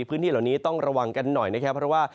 พื้นที่เหล่านี้ต้องระวังกันหน่อยนะครับ